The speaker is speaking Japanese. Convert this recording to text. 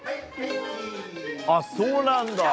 あっそうなんだ。